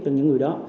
cho những người đó